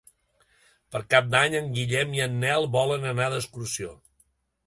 Per Cap d'Any en Guillem i en Nel volen anar d'excursió.